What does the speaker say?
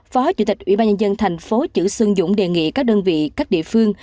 phó chủ tịch ủy ban nhân dân thành phố chữ xuân dũng đề nghị các đơn vị các địa phương